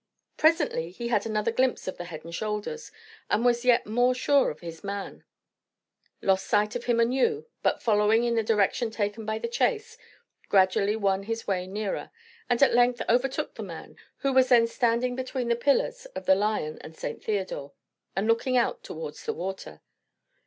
Presently he had another glimpse of the head and shoulders, and was yet more sure of his man; lost sight of him anew, but, following in the direction taken by the chase, gradually won his way nearer, and at length overtook the man, who was then standing between the pillars of the Lion and St. Theodore, and looking out towards the water.